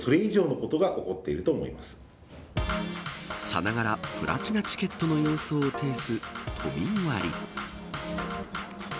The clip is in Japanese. さながらプラチナチケットの様相を呈す都民割。